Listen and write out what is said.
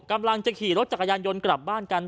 กำลังจะขี่รถจักรยานยนต์กลับบ้านกัน